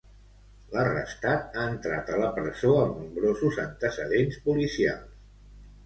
L'arrestat ha entrat a la presó amb nombrosos antecedents policials.